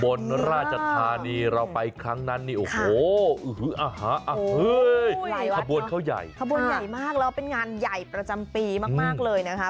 บนราชธานีเราไปครั้งนั้นนี่โอ้โหอาหารขบวนเขาใหญ่ขบวนใหญ่มากแล้วเป็นงานใหญ่ประจำปีมากเลยนะคะ